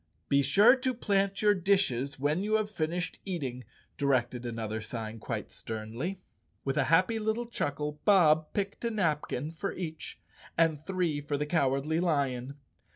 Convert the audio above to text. " Be sure to plant your dishes when you have finished eating," directed another sign quite sternly. With a happy little chuckle, Bob picked a napkin for each, and three for the Cowardly Lion.